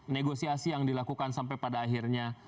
negosiasi yang dilakukan sampai pada akhirnya